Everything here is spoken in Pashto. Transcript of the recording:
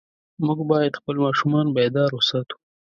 موږ باید خپل ماشومان بیدار وساتو.